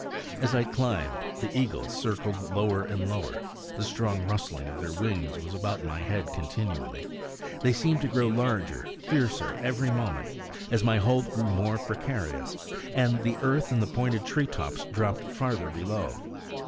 As I climbed, the eagles circled lower and lower; the strong rustling of their wings was about my head continually; they seemed to grow larger, fiercer, every moment, as my hold grew more precarious, and the earth and the pointed tree tops dropped farther below.